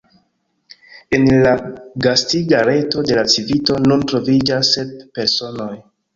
En la gastiga reto de la Civito nun troviĝas sep personoj.